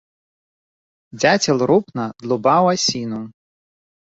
Дзяцел рупна длубаў асіну.